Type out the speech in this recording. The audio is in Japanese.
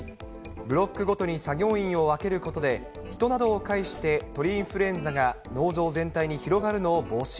ブロックごとに作業員を分けることで、人などを介して、鳥インフルエンザが農場全体に広がるのを防止。